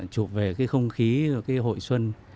chụp về không khí hội xuân